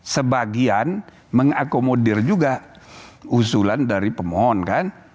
sebagian mengakomodir juga usulan dari pemohon kan